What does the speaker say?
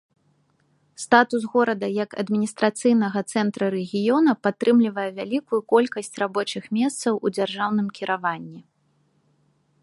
Статус горада як адміністрацыйнага цэнтра рэгіёна падтрымлівае вялікую колькасць рабочых месцаў у дзяржаўным кіраванні.